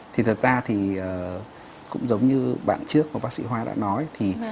thì thật ra cũng giống như bạn trước bác sĩ hòa đã nói